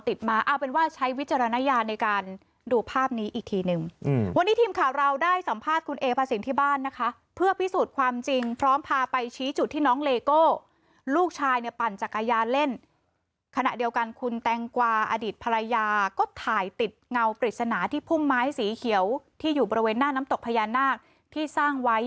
มาเอาเป็นว่าใช้วิจารณญาณในการดูภาพนี้อีกทีหนึ่งวันนี้ทีมข่าวเราได้สัมภาษณ์คุณเอพระสินที่บ้านนะคะเพื่อพิสูจน์ความจริงพร้อมพาไปชี้จุดที่น้องเลโก้ลูกชายเนี่ยปั่นจักรยานเล่นขณะเดียวกันคุณแตงกวาอดีตภรรยาก็ถ่ายติดเงาปริศนาที่พุ่มไม้สีเขียวที่อยู่บริเวณหน้าน้ำตกพญานาคที่สร้างไว้